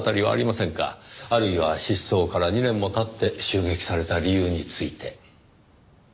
あるいは失踪から２年も経って襲撃された理由について。